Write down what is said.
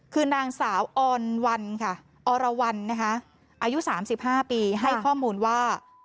คือนางสาวออนวัลล์อรวัลล์อายุ๓๕ปีให้ข้อมูลว่า